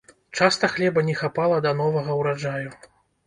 Часта хлеба не хапала да новага ўраджаю.